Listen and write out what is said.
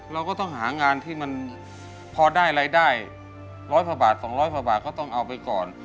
เราก็ต้องหางานที่มันพอได้อะไรได้ร้อยพอบาทสองร้อยพอบาทก็ต้องเอาไปก่อน